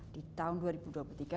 dan setelah indonesia adalah indonesia